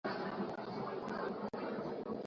Ufaransa Emmanuel Macron amesema kuwa idadi ya maafa